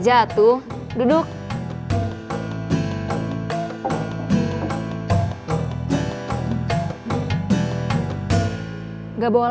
aku nunggu houses kalian